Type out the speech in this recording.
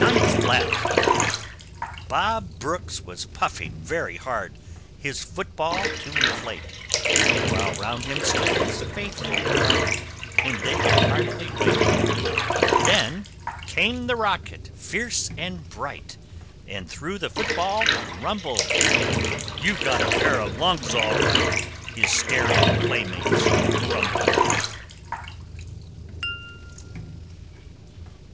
[Illustration: EIGHTH FLAT] NINTH FLAT Bob Brooks was puffing very hard His football to inflate, While round him stood his faithful guard, And they could hardly wait. Then came the rocket, fierce and bright, And through the football rumbled. "You've got a pair of lungs, all right!" His staring playmates grumbled.